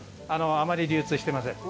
あまり流通してません。